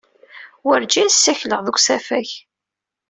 Werǧin ssakleɣ deg usafag.